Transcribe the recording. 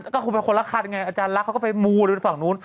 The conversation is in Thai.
ก็คงเป็นคนละคันไงอาจารย์รักเขาก็ไปมูดูในฝั่งนู้น